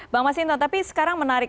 bang mas inton tapi sekarang menarik